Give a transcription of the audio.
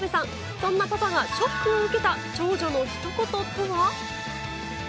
そんなパパがショックを受けた長女のひと言とは。